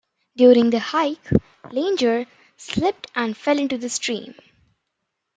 During the hike, Langer slipped and fell into a stream.